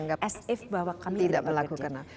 as if bahwa kami tidak melakukan apa